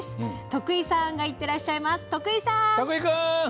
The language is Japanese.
徳井さんがいってらっしゃいます。